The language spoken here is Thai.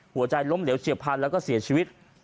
หัวใจล้มเหลวเฉียบพันธุ์แล้วก็เสียชีวิต